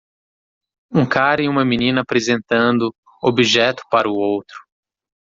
Um cara e uma menina apresentando objeto para o outro.